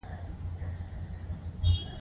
دا د دواړو هیوادونو ترمنځ ستونزه ده.